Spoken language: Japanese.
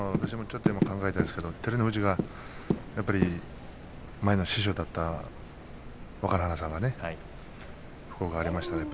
私もちょっと考えているんですが照ノ富士は前の師匠だった若乃花さんの訃報がありましたね。